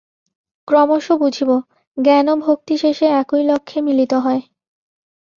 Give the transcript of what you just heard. ক্রমশ বুঝিব, জ্ঞান ও ভক্তি শেষে একই লক্ষ্যে মিলিত হয়।